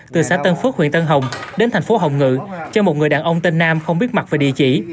từ xã tân phước huyện tân hồng đến thành phố hồng ngự cho một người đàn ông tên nam không biết mặt về địa chỉ